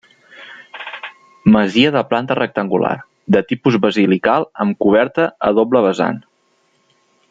Masia de planta rectangular, de tipus basilical amb coberta a doble vessant.